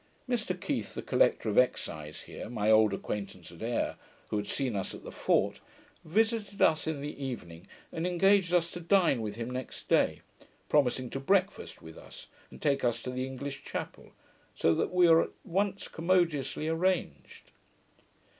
Mr Keith, the collector of Excise here, my old acquaintance at Ayr, who had seen us at the fort, visited us in the evening, and engaged us to dine with him next day, promising to breakfast with us, and take us to the English chapel; so that we were at once commodiously arranged.